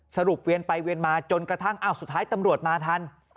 เวียนไปเวียนมาจนกระทั่งอ้าวสุดท้ายตำรวจมาทัน